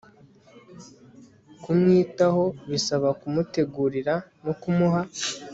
Kumwitaho bisaba kumutegurira no kumuha